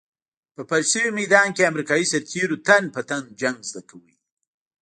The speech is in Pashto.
په فرش شوي ميدان کې امريکايي سرتېرو تن په تن جنګ زده کول.